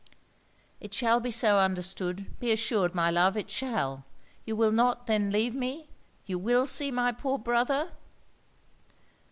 'It shall be so understood be assured, my love, it shall! You will not, then, leave me? You will see my poor brother?'